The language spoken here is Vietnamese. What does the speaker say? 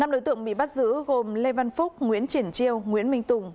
năm đối tượng bị bắt giữ gồm lê văn phúc nguyễn triển triều nguyễn minh tùng